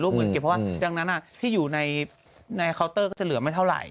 เพราะว่าดังนั้นที่อยู่ในคาวเตอร์จะเหลือไม่เท่าไหร่